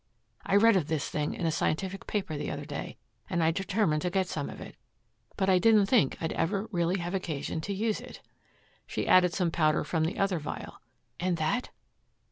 "I read of this thing in a scientific paper the other day, and I determined to get some of it. But I didn't think I'd ever really have occasion to use it." She added some powder from the other vial. "And that?"